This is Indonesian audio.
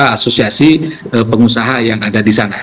asosiasi pengusaha yang ada di sana